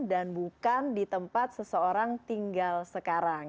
dan bukan di tempat seseorang tinggal sekarang